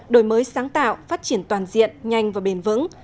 đổi mới sáng tạo phát triển toàn diện nhanh và bền vững